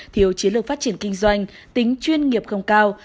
thiếu chiến lược phát triển kinh doanh tính chuyên nghiệp không cao